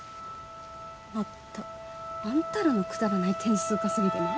まったくあんたらのくだらない点数稼ぎで何で私が。